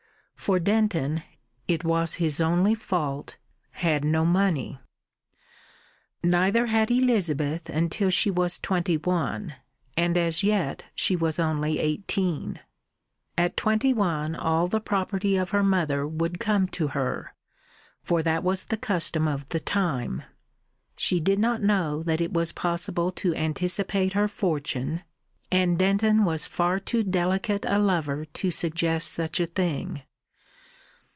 For Denton it was his only fault had no money. Neither had Elizabeth until she was twenty one, and as yet she was only eighteen. At twenty one all the property of her mother would come to her, for that was the custom of the time. She did not know that it was possible to anticipate her fortune, and Denton was far too delicate a lover to suggest such a thing.